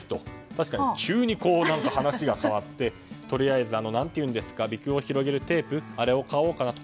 確かに急に話が変わってとりあえず、何ていうんですかびくうを広げるテープあれを買おうかなと。